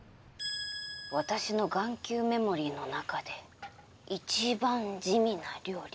私の眼球メモリーの中でいちばん地味な料理。